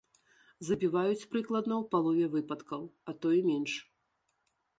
Забіваюць прыкладна ў палове выпадкаў, а то і менш.